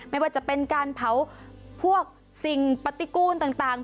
ไม่ว่าจะเป็นการเผาพวกสิ่งปฏิกูลต่าง